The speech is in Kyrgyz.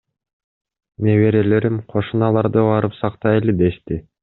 Неберелерим кошуналарды барып сактайлы дешти.